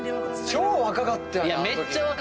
超若かったよね。